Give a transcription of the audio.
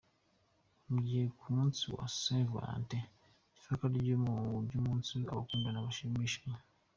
Mu gihe ku munsi wa Saint Valentin, ufatwa nk’umunsi abakundana bashimishanya.